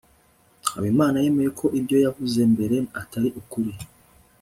habimana yemeye ko ibyo yavuze mbere atari ukuri